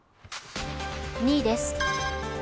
２位です。